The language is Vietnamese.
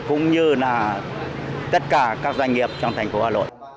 cũng như là tất cả các doanh nghiệp trong thành phố hà nội